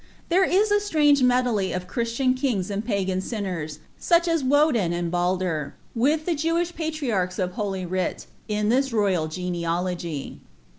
There is a strange medley of Christian kings and pagan sinners, such ai Woden and Balder, with the Jewish patriarchs of holy writ, in ihii royal genealogy.'